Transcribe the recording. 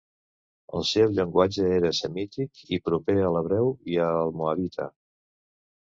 El seu llenguatge era semític i proper a l'hebreu i al moabita.